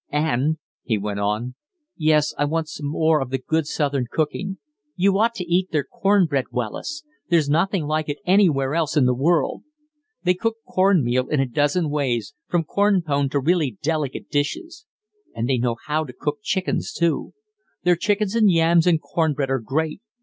And," he went on "yes, I want some more of the good southern cooking. You ought to eat their cornbread, Wallace! there's nothing like it anywhere else in the world. They cook corn meal in a dozen ways, from corn pone to really delicate dishes. And they know how to cook chickens, too. Their chickens and yams and cornbread are great.